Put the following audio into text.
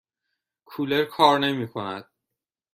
کولر کار نمی کند.